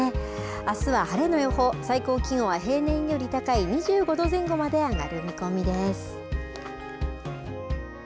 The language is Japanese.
あすは晴れの予報最高気温は平年より高い２５度前後まで上がる見込みです。